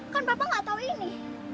kan bapak nggak tahu ini